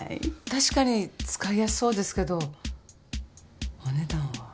確かに使いやすそうですけどお値段は。